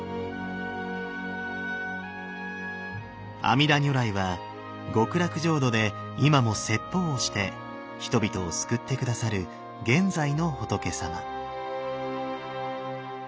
阿弥陀如来は極楽浄土で今も説法をして人々を救って下さる現在の仏様。